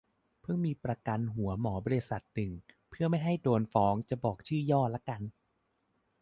เพิ่งมีประกันหัวหมอบริษัทนึง เพื่อไม่ให้โดนฟ้องจะบอกชื่อย่อละกัน